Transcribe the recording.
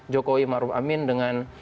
jokowi ma'ruf amin dengan